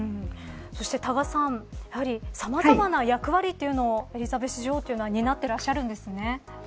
多賀さん、さまざまな役割というのをエリザベス女王は担っていらっしゃるんですね。